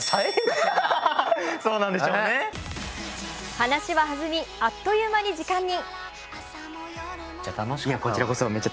話は弾み、あっという間に時間に。